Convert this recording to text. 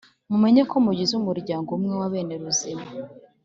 mumenye ko mugize umuryango umwe wa bene ruzima.